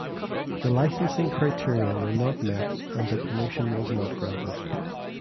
The licensing criteria were not met and the promotion was not granted.